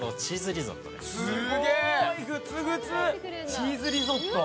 チーズリゾット！